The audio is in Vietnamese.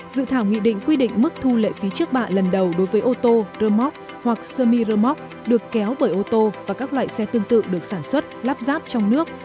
dự thảo nghị định quy định mức thu lệ phí trước bạ lần đầu đối với ô tô rơ móc hoặc sơ mi rơ móc được kéo bởi ô tô và các loại xe tương tự được sản xuất lắp ráp trong nước